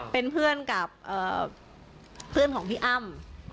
เป็นเพื่อนกับเพื่อนของพี่อ้ำ